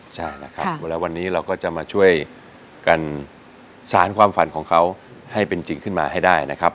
ใช่นะครับเวลาวันนี้เราก็จะมาช่วยกันสารความฝันของเขาให้เป็นจริงขึ้นมาให้ได้นะครับ